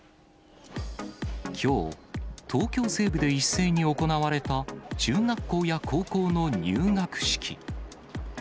きょう、東京西部で一斉に行われた中学校や高校の入学式。